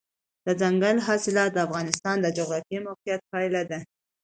دځنګل حاصلات د افغانستان د جغرافیایي موقیعت پایله ده.